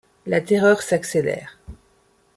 La terreur s'accélère.